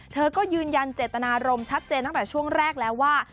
เธอก็ยืนยันเจตนารมณ์ชัดเจนตั้งแต่ช่วงแรกแล้วว่า